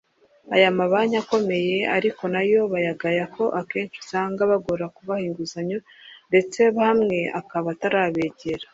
Ayo mabanki akomeye ariko nayo bayagaya ko akenshi usanga abagora kubaha inguzanyo ndetse hamwe akaba atarabegera